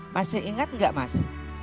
masih ingat gak mas